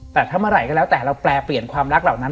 แต่ถ้าเมื่อไหร่ก็แล้วแต่เราแปลเปลี่ยนความรักเหล่านั้น